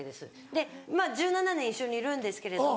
で１７年一緒にいるんですけれども。